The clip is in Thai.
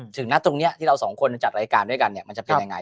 ถึงนัดตรงนี้ที่เราสองคนจัดรายการด้วยกันเนี่ยมันจะเป็นยังไง